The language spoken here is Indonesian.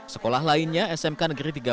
sekolah lainnya smk negeri tiga belas